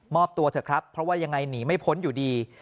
อบตัวเถอะครับเพราะว่ายังไงหนีไม่พ้นอยู่ดี